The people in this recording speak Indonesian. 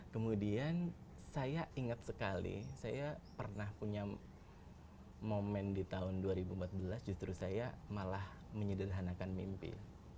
kemudian saya ingat sekali saya pernah punya momen di tahun dua ribu empat belas justru saya malah menyederhanakan mimpi